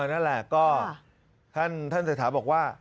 นั่นแหละก็ท่านเศรษฐาบอกว่า